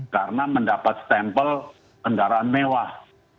karena mendapat stempel kendaraan mewah